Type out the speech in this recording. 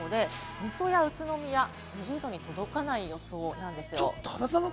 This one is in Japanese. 水戸や宇都宮は２０度に届かない予想なんですよ。